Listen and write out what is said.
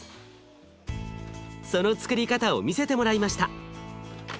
そのつくり方を見せてもらいました。